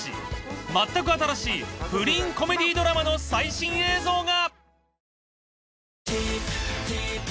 まったく新しい不倫コメディドラマの最新映像が！